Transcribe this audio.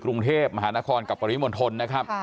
กรุงเทพมหานครกับปริมณฑลนะครับ